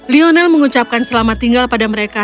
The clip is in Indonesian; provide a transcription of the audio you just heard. lionel mengucapkan selamat tinggal pada mereka